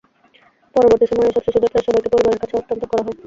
পরবর্তী সময়ে এসব শিশুদের প্রায় সবাইকে পরিবারের কাছে হস্তান্তর করা হয়।